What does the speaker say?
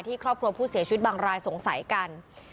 ครอบครัวผู้เสียชีวิตบางรายสงสัยกัน